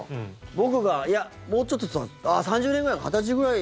僕がいや、もうちょっと３０年ぐらいか、２０歳ぐらい。